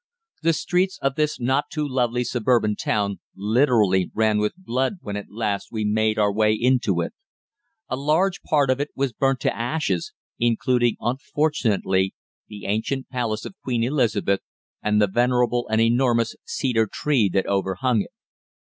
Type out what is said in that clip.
The streets of this not too lovely suburban town literally ran with blood when at last we made our way into it. A large part of it was burnt to ashes, including unfortunately the ancient palace of Queen Elizabeth, and the venerable and enormous cedar tree that overhung it.